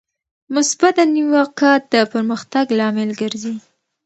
مثبته نیوکه د پرمختګ لامل ګرځي.